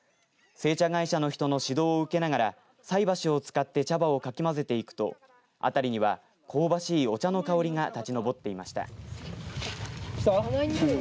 製茶会社の人の指導を受けながら、さいばしを使って茶葉をかきまぜていくと辺りには香ばしいお茶の香りが立ち上っていました。